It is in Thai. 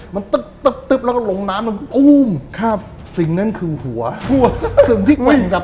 มันไม่ลงทั้งตรงนับ